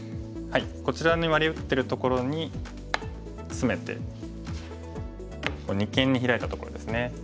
こちらにワリ打ってるところにツメて二間にヒラいたところですね。